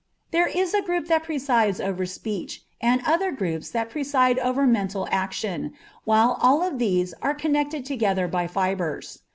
There is a group that presides over speech, and other groups that preside over mental action, while all of these are connected together by fibres.